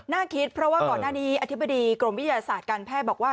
คิดเพราะว่าก่อนหน้านี้อธิบดีกรมวิทยาศาสตร์การแพทย์บอกว่า